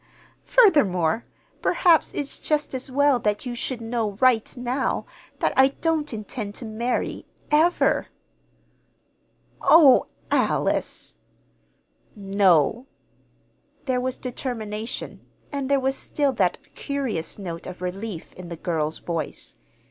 Furthermore, perhaps it's just as well that you should know right now that I don't intend to marry ever." "Oh, Alice!" "No." There was determination, and there was still that curious note of relief in the girl's voice.